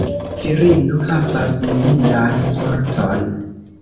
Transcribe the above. Virino havas mirindan forton.